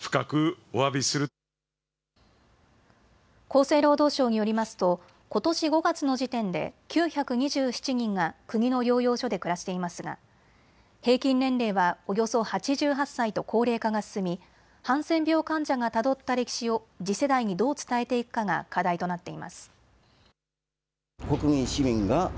厚生労働省によりますとことし５月の時点で９２７人が国の療養所で暮らしていますが平均年齢はおよそ８８歳と高齢化が進みハンセン病患者がたどった歴史を次世代にどう伝えていくかが課題となっています。